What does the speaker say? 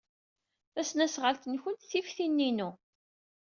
Tasnasɣalt-nwent tif tin-inu.